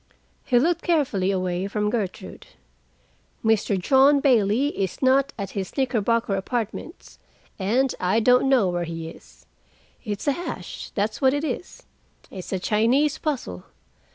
He looked carefully away from Gertrude. "Mr. John Bailey is not at his Knickerbocker apartments, and I don't know where he is. It's a hash, that's what it is. It's a Chinese puzzle.